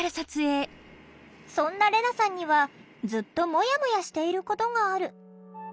そんなレナさんにはずっとモヤモヤしていることがある。